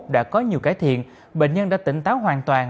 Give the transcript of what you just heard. đã có nhiều cải thiện bệnh nhân đã tỉnh táo hoàn toàn